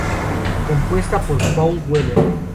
Compuesta por Paul Weller.